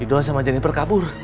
idoi sama jennifer kabur